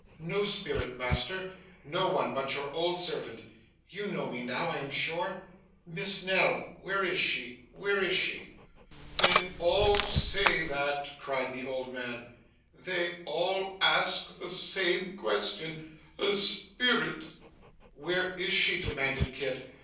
'No spirit, master. No one but your old servant. You know me now, I am sure? Miss Nell where is she where is she?' 'They all say that!' cried the old man. 'They all ask the same question. A spirit!' 'Where is she?' demanded Kit.